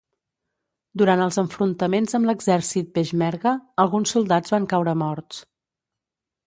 Durant els enfrontaments amb l'exèrcit Peixmerga, alguns soldats van caure morts.